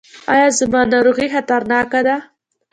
ایا زما ناروغي خطرناکه ده؟